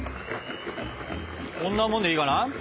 こんなもんでいいかな？